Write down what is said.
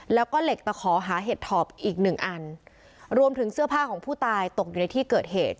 แล้วก็เหล็กตะขอหาเห็ดถอบอีกหนึ่งอันรวมถึงเสื้อผ้าของผู้ตายตกอยู่ในที่เกิดเหตุ